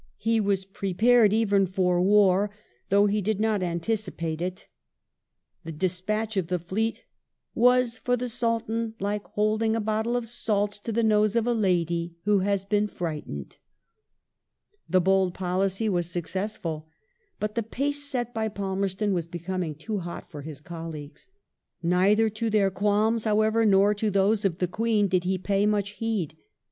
He was prepared even for war, though he did not anticipate it. The despatch of the fleet " was, for the Sultan, like holding a bottle of salts to the nose of a lady who had been frightened ".^ The bold policy was successful. But the pace set by Palmerston was becoming too hot for his colleagues. Neither to their qualms, however, nor to those of the Queen did he pay much heed.